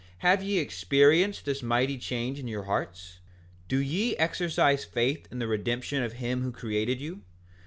Have ye experienced this mighty change in your hearts? 5:15 Do ye exercise faith in the redemption of him who created you?